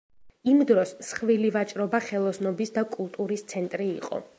იმ დროს მსხვილი ვაჭრობა-ხელოსნობის და კულტურის ცენტრი იყო.